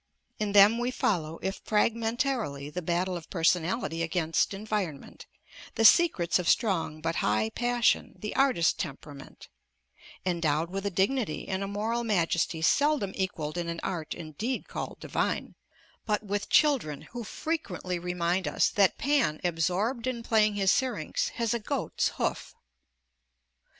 In them we follow, if fragmentarily, the battle of personality against environment, the secrets of strong but high passion, the artist temperament, endowed with a dignity and a moral majesty seldom equaled in an art indeed called divine, but with children who frequently remind us that Pan absorbed in playing his syrinx has a goat's hoof.